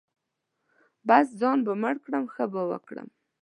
بـس ځان به مړ کړم ښه به وکړم.